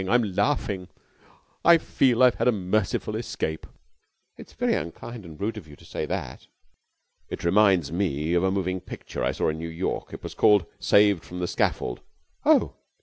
I'm laughing! I feel I've had a merciful escape." "It's very unkind and rude of you to say that." "It reminds me of a moving picture I saw in New York. It was called 'Saved from the Scaffold.'" "Oh!"